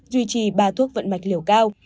duy trì ba thuốc vận mạch liều cao